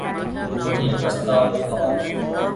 وہی خستہ، بد حال